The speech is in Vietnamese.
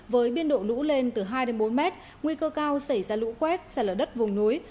với biên độ lũ lên từ hai bốn mét nguy cơ cao xảy ra lũ quét xả lở đất vùng núi